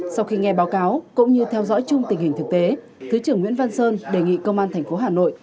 sau khi nghe báo cáo cũng như theo dõi chung tình hình thực tế thứ trưởng nguyễn văn sơn đề nghị công an tp hà nội